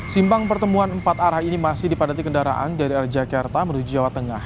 simpang pertemuan empat arah ini masih dipadati kendaraan dari arah jakarta menuju jawa tengah